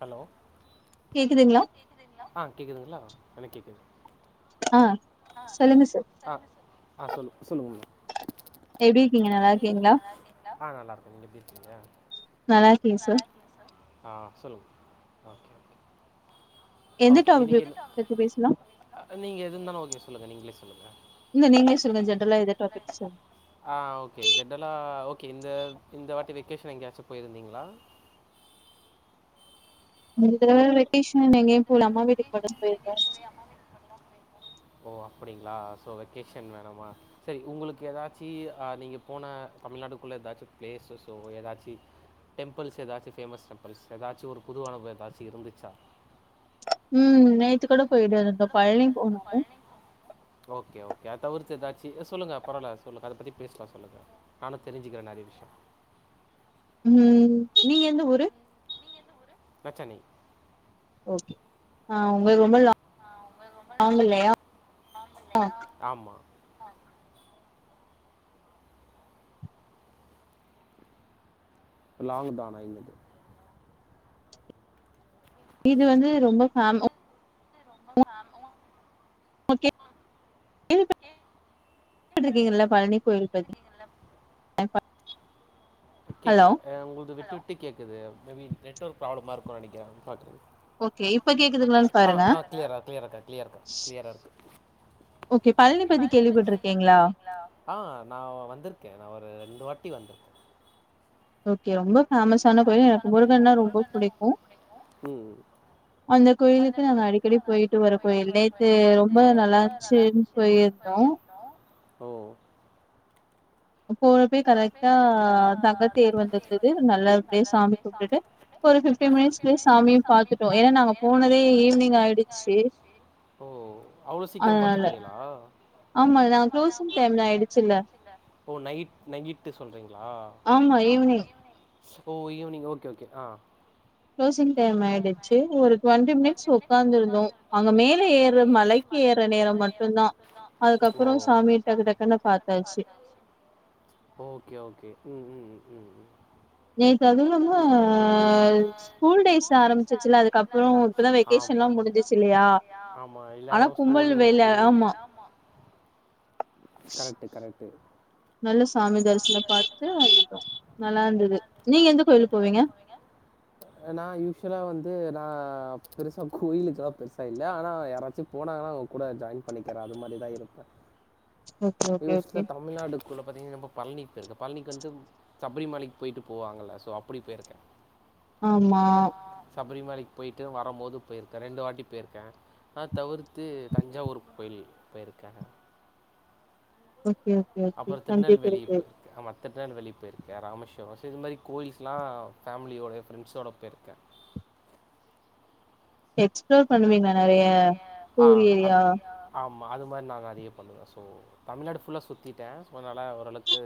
Hello கேக்குதுங்களா ஆ கேக்குதுங்களா எனக் கேக்குது ஆ சொல்லுங்க சார் ஆ ஆ சொல்லு சொல்லுகமு எப்டி இருக்கீங்க நல்லா இருக்கீங்களா ஆ நல்லாருக்கே நீங்க எப்டி இருக்கீங்க நல்லாகே சே ஆ சொல்லு ஆ கே எந்த ஓகே இன்னைக்கு டாபிக் பத்தி பேசலா நீங்க எதுன்னாலு ஓகே சொல்லுங்க நீங்ளே சொல்லுங்க இல்ல நீங்ளே சொல்லுங்க ஜென்ரலா எதா டாப்பிக்ஸ்ஸு ஆ ஓகே ஜென்ரலா ஓகே இந்த இந்த வாட்டி வெக்கேஷன் எங்யாச்சு போயிருந்தீங்ளா இந்த தடவ வெக்கேஷன் நா எங்கயு போல அம்மா வீட்டுக் மட்டு போய்ருக்கா ஓ அப்டிங்ளா சோ வெக்கேஷன் வேணாமா சேரி உங்களுக் எதாச்சி அ நீங்க போன தமிழ்நாடுக்குள்ள எதாச்சு ப்ளேஸஸு எதாச்சி டெம்பிள்ஸ் எதாச்சு ஃபேமஸ் டெம்பிள்ஸ் எதாச்சு ஒரு புது அனுபவோ எதாச்சு இருந்துச்சா ம் நேத்து கூட போய்ட்டு வந்தே நாங்க பழனி [inaudible] ஓகே ஓகே அது தவிர்த்து எதாச்சு அ சொல்லுங்க பரவால்ல சொல்லுங்க அத பத்தி பேஸ்லா சொல்லுங்க நானு தெரிஞ்சுக்கிற நெறைய விஷ்யோ ம் நீங்க எந்த ஊரு நா சென்னை ஓகே ஆ உங்களுக்கு ரொம்ப லாங் இல்லையா அ ஆமா லாங் தா ஆனா எங்கள்க்கு இது வந்து ரொம்ப இது ஃபேம வந்து ரொம்ப சாம் [inaudible] ஓ கேள்விப்பட்ருக்கீங்கல்ல பழனி கோயில் பத் எல்லா அ ஹலோ கேக்கல அ உங்கள்து விட்டு விட்டு கேக்குது மேபி நெட்வொர்க் ப்ராப்ளமா இருக்கு நெனைக்கிற பாத்துக்கோங் ஓகே இப்ப கேக்குதுங்களான்னு ஆ பாருங்க ஆ க்ளியரா க்ளியர் அக்கா க்ளியர்க்கா க்ளியரா இருக்கு ஓகே பழனி பத்தி கேள்விப்பட்ருக்கீங்ளா ஆ நா வந்திர்க்கே நா ஒரு ரெண்டு வாட்டி வந்திர்க்கே ஓகே ரொம்ப ஃபேமஸான கோயிலு எனக்கு முருகன்னா ரொம்ப புடிக்கு ம் ம் அந்த கோயிலுக்கு நாங்க அடிக்கடி போய்ட்டு வர கோயில் நேத்து ரொம்ப நல்லார்ந்ச்சு போயிர்ந்தோ ஓ போறப்பயே கரெக்ட்டா தங்க தேர் வந்திர்ந்துது நல்லா அப்டியே சாமி கும்ட்டுட்டு ஒரு ஃபிஃப்டின் மினிட்ஸ்லயே சாமியு பாத்துட்டோ ஏனா நாங்க போனதே ஈவினி்ங் ஆய்டுச்சு ஓ அவ்ளோ சீக்கிரோ பாத்துட்டீங்களா ஆமா அதா க்ளோசிங் டைம் ஆய்டுச்சில்ல ஓ நைட் நைட்டு சொல்றீங்ளா ஆமா ஈவினிங் ஓ ஈவினிங் ஓகே ஓகே ஆ க்ளோசிங் டைம் ஆயிடுச்சு ஒரு டுவெண்ட்டி மினிட்ஸ் ஒக்காந்திருந்தோ அங்க மேல ஏர்ற மலைக்கு ஏர்ற நேரோ மட்டுந்தா ஓ அதுக்கப்றோ சாமிய டக்கு டக்குன்னு பாத்தாச்சு ஓகே ஓகே ம் ம் ம் ம் ம் நேத்து அது இல்லாம ஸ்கூல் டேஸ் ஆரம்மிச்சிர்ச்சில்ல அதுக்கப்றோ இப்பதா ஆமா. வெக்கேஷன்லா முடிஞ்சிர்ச் இல்லையா ஆமா ஆனா எல்லாரும் கும்பல் ஸ்கூலு வேல ஆமா கரெக்ட்டு கரெக்ட்டு நல்ல சாமி தரிசனோ பாத்துட்டு வந்துட்டோ நல்லார்ந்துது நீங்க எந்த கோயிலுக் போவீங்க நா யூஷுலா வந்து நா பெருசா கோயிலுக்கெல்லா பெருசா இல்ல ஆனா யாராச்சு போனாங்கனா கூட ஜாயின் பண்ணிக்கிறே அது மாதிர் தா இருப்ப ஓகே ஓகே டா ஓகே தமிழ்நாடுக்குள்ள பாத்தீங்கன்னா நம்ம பழனி போயிருக்கு பழனிக்கு வந்து சபரிமலைக்கு போயிட்டு போவாங்கல்ல ஸோ அப்டி போயிருக்கே ஆமா சபரிமலைக்கு போய்ட்டு வரும் போது போயிருக்கேன் ரெண்டு வாட்டி போயிருக்கேன் அத தவிர்த்து தஞ்சாவூர் கோயிலுக்கு போயிருக்கேங்க ஓகே ஓகே ஓகே தஞ்சை பெரிய கோவில் மற்றட்டு வெளிய போயிருக்கே ராமேஸ்வரம் இந்த மாதிரி கோவில்ல்ஸ்லாம் ஃபேமிலியோட ஃப்ரெண்ட்ஸ்ஸோடு போய்ருக்கேன் எக்ஸ்ப்ளோர் பண்ணுவீங்களா நெறைய பண்ணுவிங்கலா நெறையா ஒ டூர் ஓ ஏரியா அப்படியா ஆமாம் அது மாதிரி நாங்க அதைய பண்ணுவேன் ஸோ தமிழ்நாடு ஃபுல்ல சுத்திட்டேன் ஸோ அதனால ஓரளவுக்கு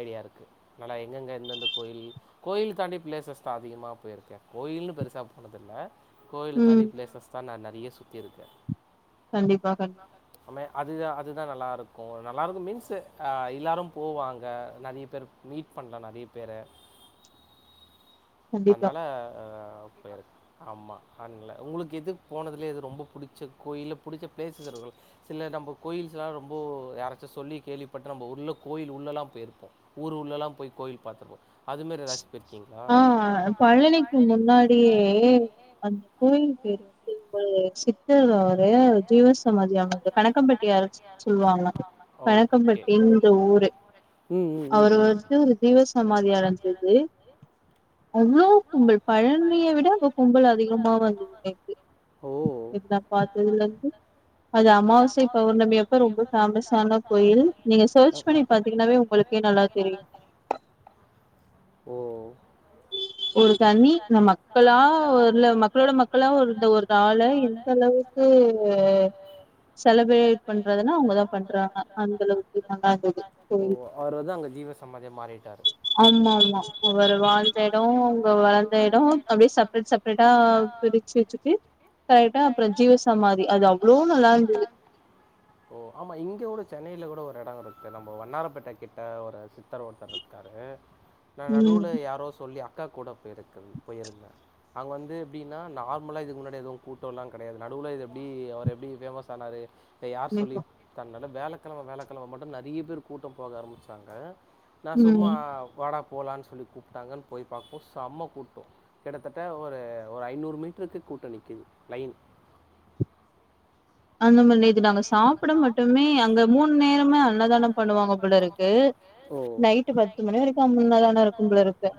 ஐடியா இருக்கு அதுனால எங்கெங்க எந்தெந்த கோயில் கோயில் தாண்டி பிளேசஸ் தான் அதிகமா போயிருக்கேன் கோயில்னு பெருசா போனது இல்ல கோயில் தாண்டி ம் பிளேசஸ் தான் நா நெறைய சுத்தியிருக்கேன் கண்டிப்பா கண்டிப்பா ஆம அதுதா அதுதா நல்லாருக்கும் நல்லாருக்கும் மீன்ஸ் எல்லாரும் போவாங்க நிறைய பேர் மீட் பண்ணலாம் நெறைய பேரை கண்டிப்பா அதனால இருக்கு ஆமா [unintelligible] உங்களுக்கு எதுக்கு போனதுலயேது ரொம்ப புடிச்ச கோயில் புடிச்ச பிளேசஸ் இருக்கு சில நம்ம கோயில்ஸ் எல்லாம் ரொம்ப யாராச்சும் சொல்லி கேள்விப்பட்டு நம்ம உள்ள கோயில் உள்ளல்லாம் போயிருப்போம் ஊர் உள்ளல்லாம் போய் கோயில் பாத்துருப்போம் அது மாறி எதாச்சி போயிருக்கிங்களா ஆ பழனிக்கு முன்னாடியே அந்த கோயில் பேரு வந்து ச ஒரு ஜீவ சமாதி கணக்கம்பட்டியாருன்னு சொல்லுவாங்க ஓகே. கணக்கம்பட்டின்ற ஊரு ம், ம், ம், அவரு ம். வந்து ஒரு ஜீவசமாதி அடைஞ்சது அவ்ளோ கும்பல் பழனிய விட அங்க கும்பல் அதிகமா வந்தது ஓ! எனக்குதான் பார்த்ததுலக்கு அது அமாவாசை பௌர்ணமிப்ப ரொம்ப ஃபேமஸான கோயில் நீங்க சர்ச் பண்ணி பாத்தீங்கன்னாவே உங்களுக்கே நல்லா தெரியும் ஓ ஒரு தனி ந மக்களா இல்ல மக்களோட மக்களா இருந்த ஒரு ஆளை இந்த அளவு க்கு செலப்ரேட் பண்றதுன்னா அவங்கதான் பண்றாங்க அந்த அளவுக்கு நல்லா இருந்தது ஓ! அவரு வந்து அங்க ஜீவ சமாதியா மாறிட்டார் ஆமா ஆமா ஒருவா இடம் அவங்க வளந்த இடம் அப்படியே செப்பரேட் செப்ரேட்டா பிரிச்சு வச்சுட்டு கரெக்டா அப்புறம் ஜீவசமாதி அது அவ்ளோ நல்லா இருந்தது ஓ ஆமாம் இங்கே சென்னைல கூட ஒரு இடம் இருக்கு நம்ம வண்ணாரபேட்டை கிட்ட ஒரு சித்தர் ஒருத்தர் இருக்காரு நா நடுவுல ம் யாரோ சொல்லி அக்கா கூட போயிருக்கு போயிருந்தேன் அங்க வந்து எப்படின்னா நார்மலா இதுக்கு முன்னாடி எதுவும் கூட்டம் எல்லாம் கிடையாது நடுவுல இது எப்படி அவர் எப்படி ஃபேமஸ் ஆனாரு இது யார் சொல்லி நினைக்கிறோம். தன்னால வியாழக்கிழமை வியாழக்கிழமை மட்டும் நிறைய பேர் கூட்டம் போக ஆரம்பிச்சாங்க நான் சும்மா ம் வாடா போலான்னு சொல்லி கூப்பிட்டாங்கன்னு போய் பாக்குறப்ப செம்மா கூட்டம் கிட்டத்தட்ட ஒரு ஒரு ஐநூறு மீட்டருக்கு கூட்ட நிக்குது லைன் அந்த மாதிரி இது நாங்க சாப்பிட மட்டுமே அங்க மூணு நேரமே அன்னதானம் பண்ணுவாங்க போலருக்கு ஓ நைட் பத்து மணி வரைக்கும் அன்ன தான இருக்கும் போலருக்கு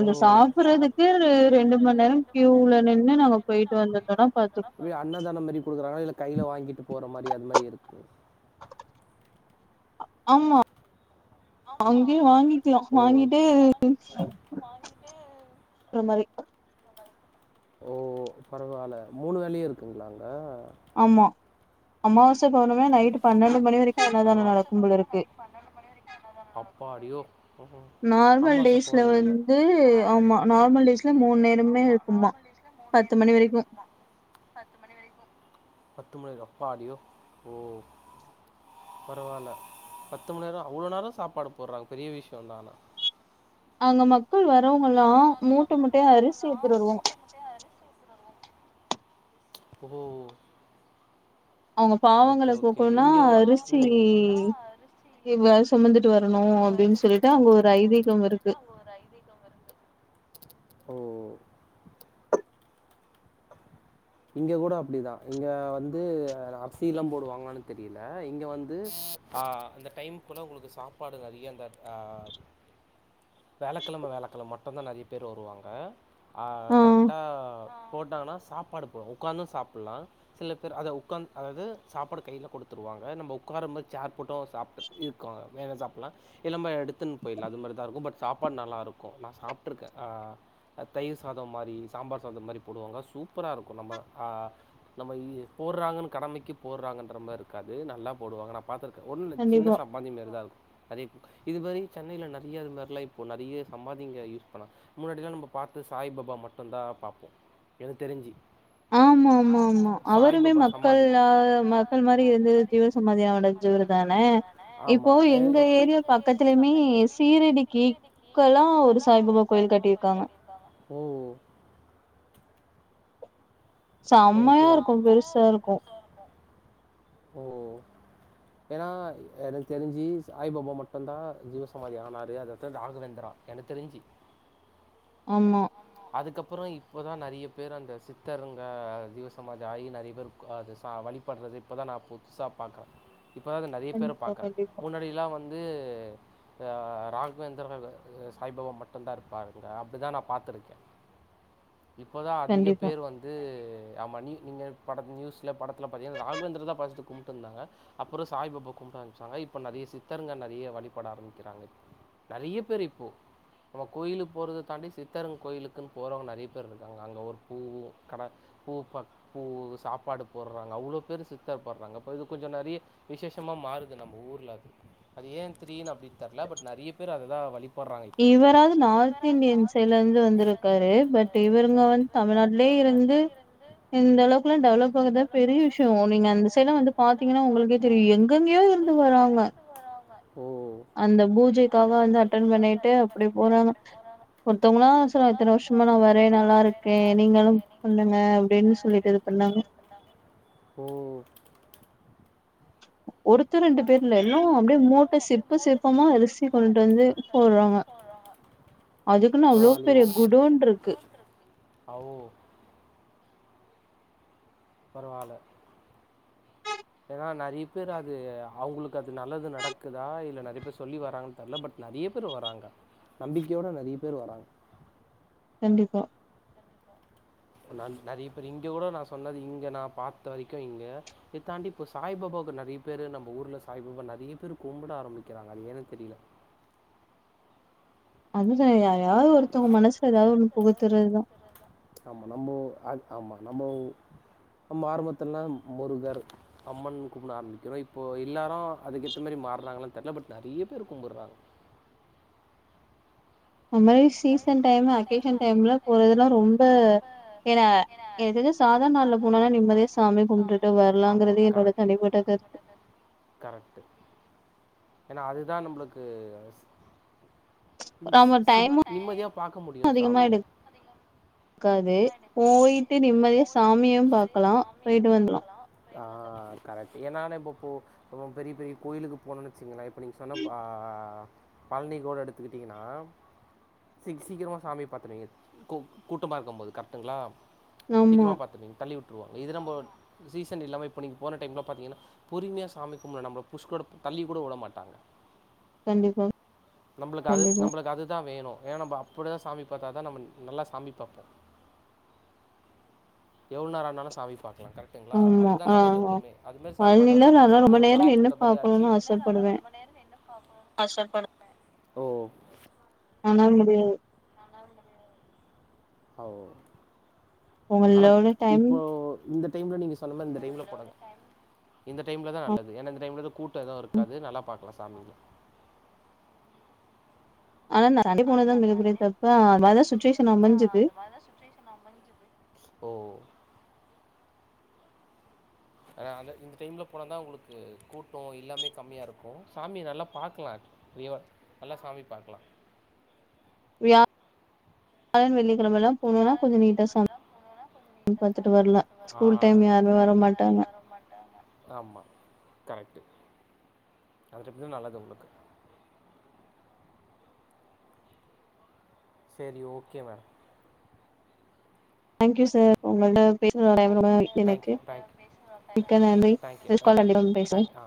ஓ! சாப்புறதுக்கு ரெண்டு மண் நேரோ கியூல நின்னு நாங்க போய்ட்டு வந்து படோ பாத்து இ அன்னதானம் மாரி குடுக்குறாங்களா இல்ல கையில வாங்கிட்டு போற மாரி அது மாரி இருக்கு ஆமா அங்கே வாங்கிக்கலா ஓ! வாங்கிட்டு அப்றோ மாரி ஓ பரவால மூணு வேலையு இருக்குங்களா அங்க ஆமா அம்மாவாச பௌர்ணமா நைட்டு பன்னண்டு மணி வரைக்கூ அன்னதானோ பரவா நடக்கும் போல இருக்கு அப்பாடியோ! ம். நார்மல் அமாவாசை டேஸ்ல பௌர்ணமில வந்து ஆமா நார்மல் டேஸ்ல மூண் நேரமே இருக்குமா பத்து மணி வரைக்கூ பத்து மணிக்கா எப்பாடி ஓ பரவால்ல பத்து மண் நேரோ அவ்ளோ நேரோ சாப்பாடு போட்றாங் பெரிய விஷ்யோந்தா ஆனா அங்க மக்கள் வரவங்கலா மூட்ட மூட்டையா அரிசி எத்துட்டு வருவாங்க புதூ அவங்க பாவங்கள ஓகே போக்கோனா இங்க கூட அரிசி ம் இவ சுமந்துட்டு வரணு அப்டின்னு சொல்லி தா அங்க ஒரு ஐதீகம் இருக்கு [inaudible] ஓ இங்க கூட அப்டிதா இங்க வந்து வேற அர்சியெலா போடுவாங்காளானு தெரியல இங்க வந்து ஆ அந்த டைம்க்குள்ள உங்களுக்கு சாப்பாடு நறைய அந்தட் ஆ வேழக்கெழம வேழக்கெழம் மட்டு தா நறைய பேர் வருவாங்க ஆ கரெக்டா போட்டாங்கன்னா சாப்பாடு போ உக்காந்தூ சாப்புல்லா சில பேர் அத உக்காந் அதாவ்து சாப்பாடு கையில கொடுத்துருவாங்க நம்ப உக்காரம்போ சேர் போட்டோ சாப்ட்டு இக்காங்க வேன சாப்புலா இல் நம்ம எடுத்துன் போயிட்லா அது மாரிதா இருக்கும் பட் சாப்பாட் நல்லாருக்கூ நா சாப்ட்ருக்கே ஆ அ தயிர் சாதோ மாரி சாம்பார் சாதோ மாரி போடுவாங்க சூப்பரா இருக்கும் நம்ம ஆ நம்ம இ போட்றாங்கனு கடமைக்கு போட்றாங்கன்ற மாருக்காது நல்லா போடுவாங்க நா பாத்துருக்க ஒன்னு சின்ன கண்டிப்பா சம்பாதி மாரி தா இருக்கூ நறைய இது மாரி சென்னைல நறைய இது மாரிலா இப்ப நறைய சம்பாதிங்க யூஸ் பண்ணா முன்னாடில்லா நம்ம பாத்து சாய்பாபா மட்டுந்தா பாப்போ என தெரிஞ்சு ஆமா ஆமா ஆமா அவருமே சாய்பாபா சமாதி மக்கள்ல மக்கள் மாரி இருந்து ஜிவ சமாதா அடஞ்சவரு தான இப்போ ஆமாம் எங்க ஏரியா பக்கத்துலயுமே சீரடிக் ஈக் வலா ஒரு சாய்பாபா கோயில் கட்டியிருக்காங்க ஓ ஓகே செம்மையா இருக்கோ பெருசா இருக்கோ ஓ ஓ ஏனா எனக்கு தெரிஞ்சு சாய்ப்பா மட்டந்தா ஜீவசமாதி ஆனாரு அததா தாகவேந்துரா என தெரிஞ்சு ஆமா அதுக்கப்பறோ இப்பதா நறைய பேர் அந்த சித்தருங்க ஜீவசமாதி ஆயி நறைய பேர்க் அது சா வழி பண்றது இப்பதா நா புதுசா பாக்றே இப்ப தா இந்த நிறைய பேர கண்டிப்பா, பாக்கறே கண்டிப்பா, முன்னாடில்லா வந் து அ ராகவேந்துர பவ இ சாய்பவா மட்டுந்தா இருப்பாருங்க அப்டிதா நா பாத் துருக்கே இப்பதா அதிக கண்டிப்பா. பேர் வந் அது ஆமா நீ நீங்க பட நியூஸ்ல படத்துல பாத்தீங்கனா ராகவேந்திர தா ஃபஸ்ட்டு கும்ட்டு இருந்தாங்க அப்புற சாய் பாபா கும்ட ஆரம்பிச்சாங்க இப்ப நறைய சித்தர்ங்க நறைய வழிபட ஆரம்பிக்கிறாங்க நெறைய பேர் இப்போ நம்ம கோயிலுக் போறத தாண்டி சித் தரங் கோயிலுக்குன் போறவங்க நறைய பேர் இருக்காங்க அங்கே ஒரு பூவு கட பூ ப பூவு சாப்பாடு போட்றாங்க அவ்ளோ பேர் சித்தர் போட்றாங்க அப்போ இது கொஞ்ச நறைய விசேஷமா மாறுது நம்ம ஊர்ல அது அது ஏன் திரீன் அப்டி தெர்ல பட் நெறைய பேர் அததா வழி இவராது நார்த் இந்தியன் சைட்ல இருந்து வந்திருக்காரு பட் இவுங்க வந்து தமிழ்நாட்லே இருந்து இந்த அளவுக்குல்லா டெவலப் ஆகுறதா பெரிய விஷ்யோ நீங்க அந்த சைட்ல வந்து பார்த்தீங்கன்னா உங்களுக்கே தெரியு எங்க எங்கெங்யோ இருந்து வராங்க ஓ அந்த பூஜைக்காக வந்து அட்டன் பண்ணிட்டு அப்டி போறாங்க ஒருத்தவுங்களா சொல்ல இத்தன வருஷமா நா வரே நல்லா இருக்கே நீங்களு பண்ணுங்க அப்டின் சொல்லிட்டு இது பண்ணாங்க ஓ ஒருத்தர் ரெண்டு பேர் இல்ல எல்லா அப்டியே மூட்ட சிப்ப சிற்பமா அரிசி கொண்டு வந்து போட்றாங்க அதுக்குன்னு அவ்ளோ பெரிய குடோன் இருக்கு ஆவோ பரவால ஏன்னா நெறைய பேரு அது அவுங்களுக்கு அது நல்லது நடக்குதா இல்ல நறைய பேர் சொல்லி வராங்க தெர்ல பட் நெறைய பேர் வராங்க நம்பிக்கையோட நெறைய பேர் வராங்க கண்டிப்பா நெறைய பேர் இங்க கூட நா சொன்னது இங்க நா பார்த்த வரைக்கு இங்க இதத்தாண்டி இப்போ சாய் பாபாக்கு நறைய பேரு நம்ம ஊர்ல சாய்பாபா நறையே பேரு கும்பிட ஆரம்பிக்கிறாங்க அது ஏன்னு தெரில அதுதா யார்யாது ஒருத்தவுங்க மனசுல ஏதாவது ஒண்ணு புகுத்தறதுதா ஆமா நம்போ அ ஆமா நம்போ நம்ம ஆரம்பத்துல்லா முருகர் அம்மன் கும்புட ஆரம்பிக்கிறோ இப்போ எல்லாரு அதுக்கேத்த மாரி மார்றாங்ளான் தெர்ல பட் நெறைய பேர் கும்புறாங்க அம் மாரி சீசன் டைம் அகேஷன் டைம்ல போறதெல்லா ரொம்ப [unintelligible] சாதார்ண் நாள்லப் போனனா நிம்மதியா சாமி கும்டுட்டு ஆமா, வர்லாங்கிறது என்னோடத் தனிப்பட்டது கரக்ட்டு எனா அதுதா நம்ளுக்கு அச் டிவின்ஸ் ஆமா சிம் டைமு நிம்மதியாப் பாக்க முடியு சாமிய காதே போயிட்டு நிம்மதியா சாமியும் பாக்கலா போயிட்டு வந்துலா ஆ கரெக்ட் எனான இப்போ போ போம் பெரியப் பெரியக் கோயிலுகு போனுனோனு வெச்சிகங்களே இப்ப நீங் சொன்னப்பா பழ்னி கோட எடுத்துகிட்டிங்கினாம் சிக் சீக்கிரமா சாமியப் பாத்துருவீங்க கூ கூட்டமா இருக்கம்போது கர்ட்டுங்ளா ஆமா சீக்கிரமா பாத்துருவிங் தள்ளி வுட்டுருவாங் இது நம்போட் சீசன் இல்லாம இப்ப நீங்க போன டைம்லாம் பாத்தீங்கினா பொறும்யா சாமி கும்லா நம்பள புஷ் கூடத் தள்ளி கூட வுட மாட்டாங்க கண்டிப்பா நம்பளுக்கு அது கண்டிப்பா நம்மளுக்கு அதுதா வேணு ஏன்னா நம்ப அப்படிதா சாமி பாத்தா தா நம்ம நல்லா சாமி பாப்போ எவ்ல்ன் நேர ஆனாலு சாமி பாக்கலா கர டெங்ளா ஆமா அதுதா ஆ நல்லது ஆ எப்போமே அதுமேர் சாம் பாத்தாதா பழனில நம்ளுக்கு நாலா ரொம்ப சாமிய ரொம் நேரோ நின்னு கும்ட்ட மாரி ஆச்சி பாக்கணுனு ஆசப்படுவே ஆ சொல்ப் படு ஓ ஆனாலும் முடியாது அவு ஆனாப் உங்களோட டைம் இப்போ இந்த டைம்ல நீங்க சொன்ன மார் இந்த டைம்ல போட்டா தா இந்த டைம்ல தா நல்லது ஏன்னா இந்த டைம்ல த கூட் ட்ட எதுவு இருக்காது நல்லாப் பாக்லா சாமியே ஆனா நா சண்டே போனதுதா மிகப் பெரியத் தப்பு அத்மார்தா சுச்சுவேஷன் அமஞ்சது அதலா சுற்றேஷ் ஒ ஆன அந்த இந்த டைம்ல போன தா உங்களுக்கு கூட்டோ எல்லாமே கம்மியா இருக்கு சாமிய நல்லா பாக்கலா நீ வா நல்லா சாமி பாக்கலா வியாளன் வெள்ளிக்கிழமல்லா போனோனா வியாழன் கொஞ்சோ நீட்டா சாமி வெள்ளிகெழமலாம் போனோனா கொஞ் [inaudible] பாத்துட்டு வரலா டைம் ஸ்கூல் யாருமே வர டைம் யாரு மாட்டாங்க வர மாட்டாங்க ஆமா கரெக்டு அது [unintelligible] நல்லதா உனக்கு செரி ஓகே ம தேங்க்யூ சார் உங்ளோடப் [inaudible] [inaudible] எனக்கு மிக்க நன்றி தேங்க்யூ நெஸ்ட் கால் கண்டிப்பா பேசுவோ தேங்க் ஆ